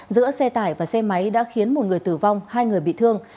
giữa xe tải và xe máy đã khiến một người tử vong hai người bị thương